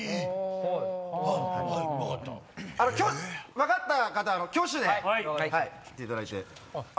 分かった方挙手で言っていただいて。